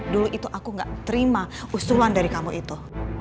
dulu itu aku gak terima usulan dari kamu itu